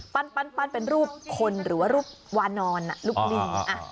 ปั้นปั้นปั้นเป็นรูปคนหรือว่ารูปวานอนอ่ะรูปลิงอ่ะอ่า